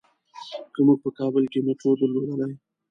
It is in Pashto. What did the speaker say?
که مونږ په کابل کې مېټرو درلودلای.